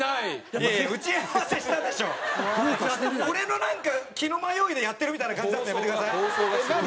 俺の気の迷いでやってるみたいな感じ出すのやめてください。